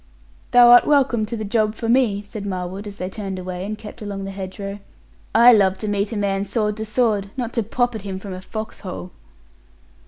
'Thou art welcome to the job for me,' said Marwood, as they turned away, and kept along the hedge row; 'I love to meet a man sword to sword; not to pop at him from a foxhole.'